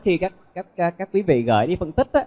khi các quý vị gửi đi phân tích